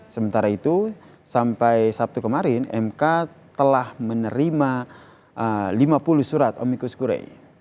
sementara itu sampai sabtu kemarin mk telah menerima lima puluh surat omikus kure